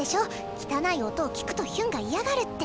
汚い音を聴くとヒュンが嫌がるって。